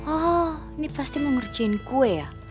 oh ini pasti mau ngerjain kue ya